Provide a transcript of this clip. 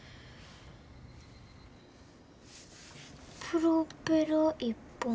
プロペラ１本。